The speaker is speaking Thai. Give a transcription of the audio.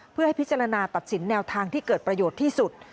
เพื่อให้พิจารณาตัดสินแนวทางที่เกิดประโยชน์ที่สุด